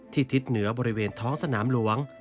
ทิศเหนือบริเวณท้องสนามหลวง